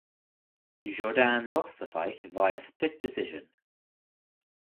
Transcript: Jourdain lost the fight via split decision.